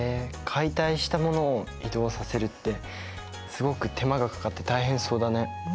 解体したものを移動させるってすごく手間がかかって大変そうだね。